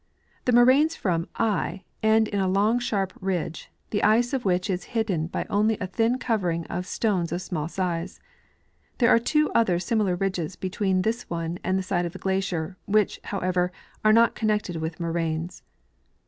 The moraines from / end in a long sharp ridge, the ice of which is hidden by only a thin covering of stones of small size. There are tAvo other similar ridges betAveen this one and the side of the glacier, AAdiich, hoAvever, are not connected Avith moraines.